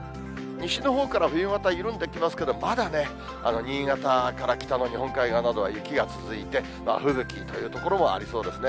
西のほうから冬型、緩んできますけど、まだね、新潟から北の日本海側などは雪が続いて、吹雪という所もありそうですね。